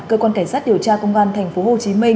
cơ quan cảnh sát điều tra công an tp hcm